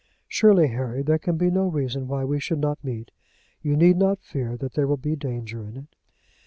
Surely, Harry, there can be no reason why we should not meet. You need not fear that there will be danger in it.